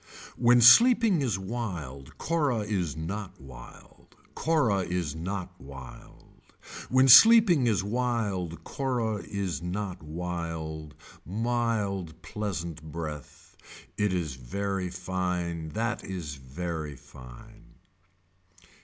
When sleeping is wild, Cora is not wild. Cora is not wild. When sleeping is wild Cora is not wild. Mild pleasant breath. It is very fine that is very fine.